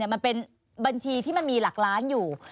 มันเป็นบัญชีที่มันมีหลักล้านอยู่